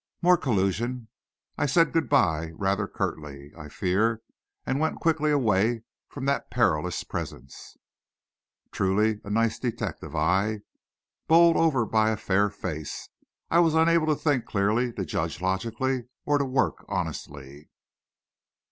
More collusion! I said good by rather curtly, I fear, and went quickly away from that perilous presence. Truly, a nice detective, I! Bowled over by a fair face, I was unable to think clearly, to judge logically, or to work honestly!